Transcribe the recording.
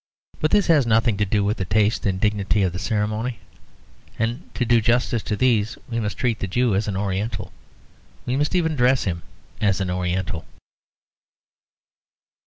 But this has nothing to do with the taste and dignity of the ceremony; and to do justice to these we must treat the Jew as an oriental; we must even dress him as an oriental.